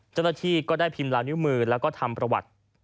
เจ้าหน้าที่ก็ได้พิมพ์ลายนิ้วมือแล้วก็ทำประวัติ